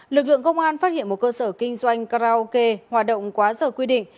lực lượng công an phát hiện một cơ sở kinh doanh karaoke hoạt động quá giờ quy định